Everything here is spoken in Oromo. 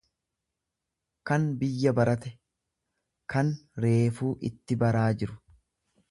kan biyya barate, kan reefuu itti baraa jiru.